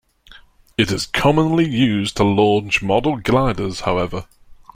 It is commonly used to launch model gliders however.